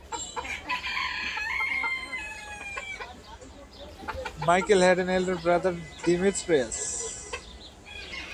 Michael had an elder brother Demetrius (I).